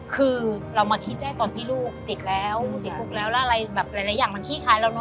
คือเรามาคิดได้ตอนที่ลูกติดแล้วติดปลุกแล้วอะไรแบบหลายอย่างมันคี่คายแล้วเนอะ